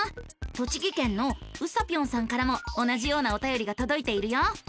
栃木県のうさぴょんさんからも同じようなおたよりがとどいているよ。